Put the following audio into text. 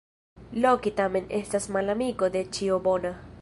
Loki tamen estis malamiko de ĉio bona.